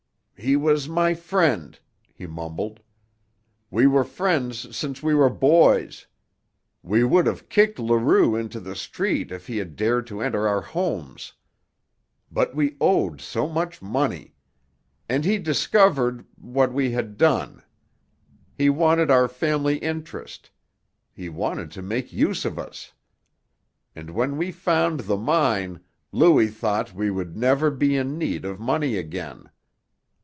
"He was my friend," he mumbled. "We were friends since we were boys. We would have kicked Leroux into the street if he had dared to enter our homes. But we owed so much money. And he discovered what we had done. He wanted our family interest; he wanted to make use of us. And when we found the mine, Louis thought we would never be in need of money again.